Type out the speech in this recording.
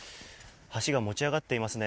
橋が持ち上がっていますね。